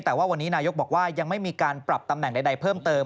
แต่ว่าวันนี้นายกบอกว่ายังไม่มีการปรับตำแหน่งใดเพิ่มเติม